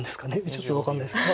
ちょっと分かんないですけど。